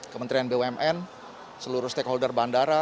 kementerian bumn seluruh stakeholder bandara